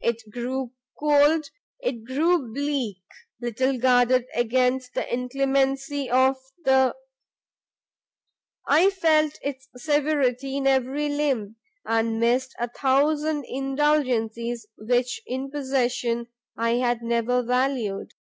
It grew cold, it grew bleak; little guarded against the inclemency of the , I felt its severity in every limb, and missed a thousand indulgencies which in possession I had never valued.